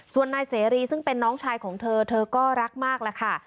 ส่วนนายเสรีซึ่งเป็นน้องชายของเธอเธอก็รักมากแล้วค่ะ